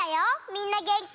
みんなげんき？